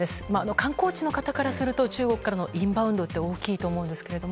観光地の方からすると中国からのインバウンドは大きいと思うんですけども。